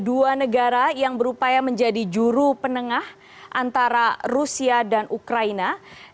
dua negara yang berupaya menjadi juru penengah antara rusia dan ukraina